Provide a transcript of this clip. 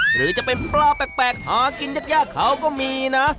หรือจะเป็นปลาแปลกหากินยากเขาก็มีนะ